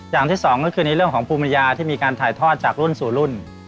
อย่างที่สองก็คือในเรื่องของภูมิปัญญาที่มีการถ่ายทอดจากรุ่นสู่รุ่น